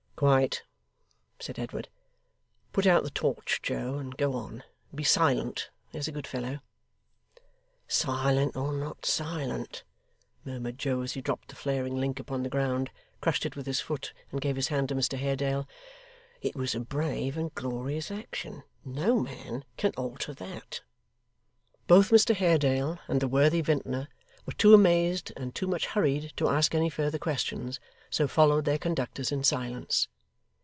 'Quite,' said Edward. 'Put out the torch, Joe, and go on. And be silent, there's a good fellow.' 'Silent or not silent,' murmured Joe, as he dropped the flaring link upon the ground, crushed it with his foot, and gave his hand to Mr Haredale, 'it was a brave and glorious action; no man can alter that.' Both Mr Haredale and the worthy vintner were too amazed and too much hurried to ask any further questions, so followed their conductors in silence.